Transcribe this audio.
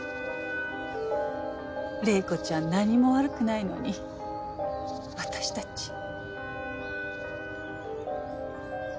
玲子ちゃん何も悪くないのに私たち。